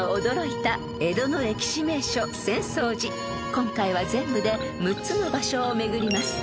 ［今回は全部で６つの場所を巡ります］